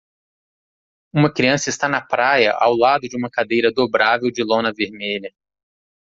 Uma criança está na praia ao lado de uma cadeira dobrável de lona vermelha.